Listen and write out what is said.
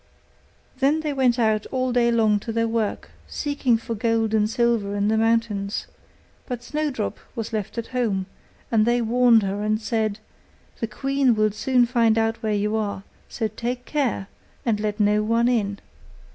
Then they went out all day long to their work, seeking for gold and silver in the mountains: but Snowdrop was left at home; and they warned her, and said, 'The queen will soon find out where you are, so take care and let no one in.